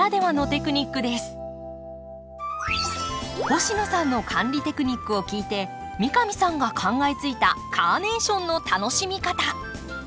星野さんの管理テクニックを聞いて三上さんが考えついたカーネーションの楽しみ方。